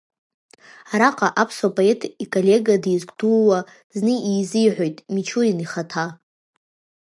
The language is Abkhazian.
Араҟа аԥсуа поет иколлега дизгәдууа зны изиҳәоит Мичурин ихаҭа!